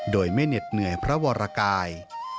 โดยไม่เหน็ดเหนื่อยพระวรกาย